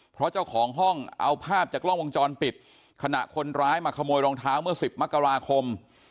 เพราะเจ้าของห้องเอาภาพจากกล้องวงจรปิดขณะคนร้ายมาขโมยรองเท้าเมื่อ๑๐มกราคม